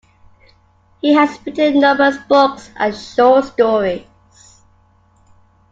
He has written numerous books and short stories.